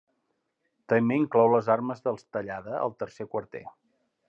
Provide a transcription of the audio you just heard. També inclou les armes dels Tallada al tercer quarter.